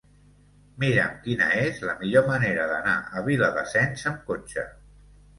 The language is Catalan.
Mira'm quina és la millor manera d'anar a Viladasens amb cotxe.